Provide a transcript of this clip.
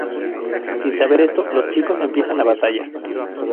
Sin saber esto, los chicos empiezan la batalla.